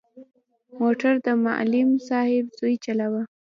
موټر د معلم صاحب زوی چلاوه.